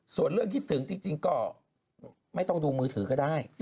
ส่วนเรื่องคิดถึงจริงก็ไม่ต้องดูมือถือก็ได้